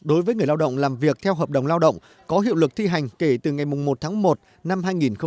đối với người lao động làm việc theo hợp đồng lao động có hiệu lực thi hành kể từ ngày một tháng một năm hai nghìn hai mươi